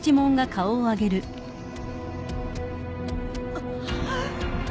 あっ。